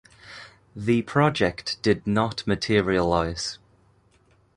The project did not materialise.